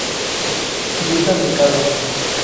Yuta Mikado